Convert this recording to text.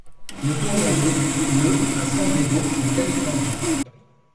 Le tournage débute le à San Diego en Californie.